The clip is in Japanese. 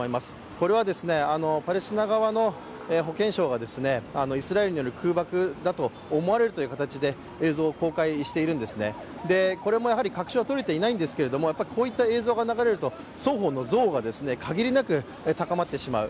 これはパレスチナ側の保健省がイスラエルによる空爆だと思われるという形で映像を公開しているんですね、これもやはり確証はとれていないんですがこういった映像が流れると双方の憎悪が限りなく高まってしまう。